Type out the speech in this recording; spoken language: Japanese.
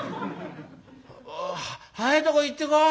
早えとこ行ってこい！